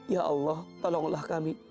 ya allah tolonglah kami